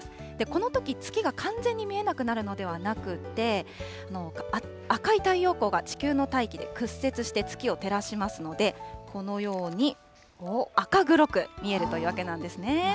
このとき月が完全に見えなくなるのではなくって、赤い太陽光が地球の大気で屈折して月を照らしますので、このように、赤黒く見えるというわけなんですね。